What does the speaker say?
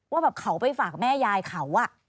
ว่าแบบเขาไปฝากแม่ยายเขา